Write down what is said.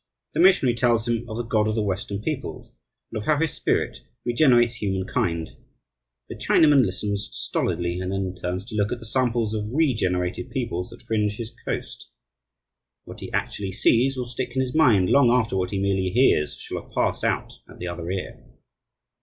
The missionary tells him of the God of the Western peoples, and of how His Spirit regenerates humankind; the Chinaman listens stolidly, and then turns to look at the samples of regenerated peoples that fringe his Coast. What he actually sees will stick in his mind long after what he merely hears shall have passed out at the other ear.